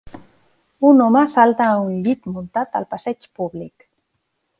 Un home salta a un llit muntat al passeig públic.